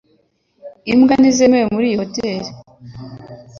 Imbwa ntizemewe muri iyi hoteri